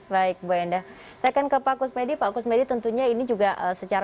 baik bu enda saya akan ke pak kusmedi pak kusmedi tentunya ini juga secara